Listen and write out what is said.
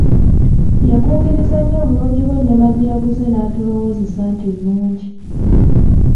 Yakungirizza nnyo obulungi bw'ennyama gye yaguze n'atulowoozesa nti nnungi.